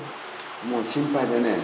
もう心配でね。